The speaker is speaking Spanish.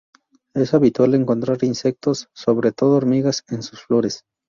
Es habitual encontrar insectos, sobre todo hormigas, en sus flores.